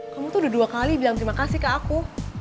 kamu tuh udah dua kali bilang terima kasih ke aku